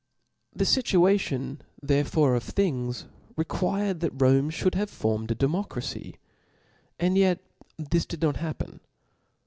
The fituation therefore of things re quired that Rome ftiould have formed a democra fy^ and yet this did not happen.